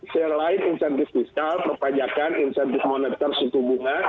selain insentif fiskal pepajakan insentif monitor suku bunga